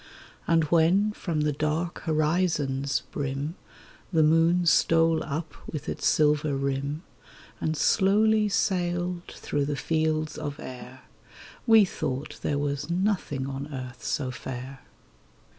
And when from the dark horizon's brim The moon stole up with its silver rim, And slowly sailed through the fields of air, We thought there was nothing on earth so fair.